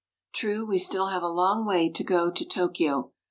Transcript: True, we still have a long way to go to Tokyo.